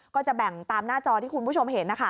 ก็จะแบ่งตามหน้าจอที่คุณผู้ชมเห็นนะคะ